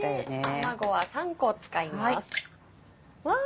卵は３個使います。